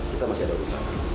kita masih ada urusan